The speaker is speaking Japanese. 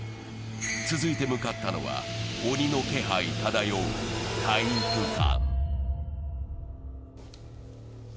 続いて向かったのは、鬼の気配漂う体育館。